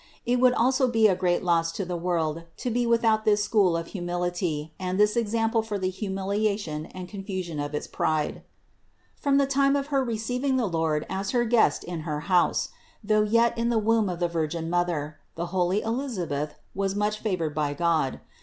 It would also be a great loss to the world to be without this school of humility and this ex ample for the humiliation and confusion of its pride. 239. From the time of her receiving the Lord as her Guest in her house, though yet in the womb of the Vir gin Mother, the holy Elisabeth was much favored by God.